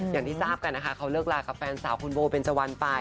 อย่างที่ทราบกันนะคะเขาเลิกลากับแฟนสาวคุณโบเบนเจวันไป